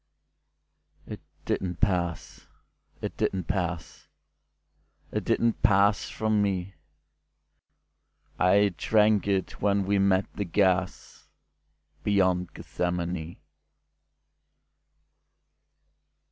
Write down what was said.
It didn't pass—it didn't pass—It didn't pass from me.I drank it when we met the gasBeyond Gethsemane.